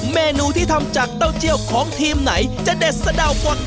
เมนูที่ทำจากเต้าเจียวของทีมไหนจะเด็ดสะดาวกว่า